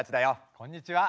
こんにちは。